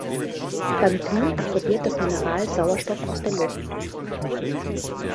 Beim Glühen absorbiert das Mineral Sauerstoff aus der Luft.